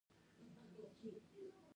غلطه خبره اعتماد ختموي